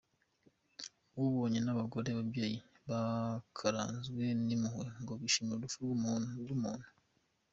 Ubonye n’abagore, ababyeyi bakaranzwe n’impuhwe ngo bishimire urupfu rw’umuntu?